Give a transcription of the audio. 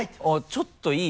ちょっといい？